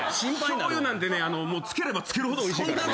しょうゆなんてねつければつけるほどおいしいからね。